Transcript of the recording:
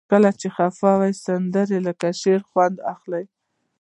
خو کله چې خفه وئ د سندرې له شعره خوند اخلئ.